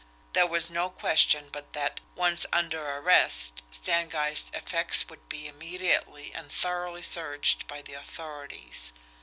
There was no question but that, once under arrest, Stangeist's effects would be immediately and thoroughly searched by the authorities!